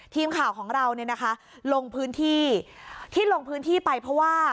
ทีมข่าวของเราเนี่ยนะคะลงพื้นที่ที่ลงพื้นที่ไปเพราะว่า